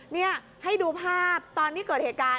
นี่ให้ดูภาพตอนที่เกิดเหตุการณ์